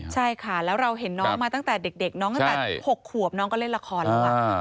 ใช่ค่ะแล้วเราเห็นน้องมาตั้งแต่เด็กน้องตั้งแต่๖ขวบน้องก็เล่นละครแล้ว